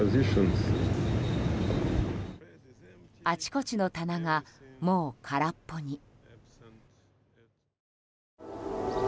あちこちの棚がもう空っぽに。